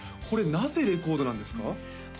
これなぜレコードなんですか？